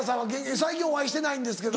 最近お会いしてないんですけど。